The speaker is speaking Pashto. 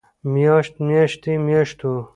مياشت، مياشتې، مياشتو